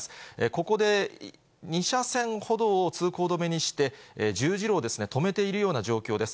ここで２車線ほどを通行止めにして、十字路を止めているような状況です。